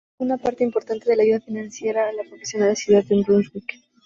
Una parte importante de la ayuda financiera la proporciona la ciudad de Brunswick.